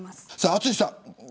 淳さん